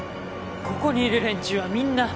ここにいる連中はみんな。